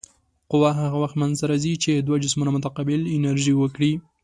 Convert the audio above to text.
قوه هغه وخت منځته راځي چې دوه جسمونه متقابل اثر وکړي.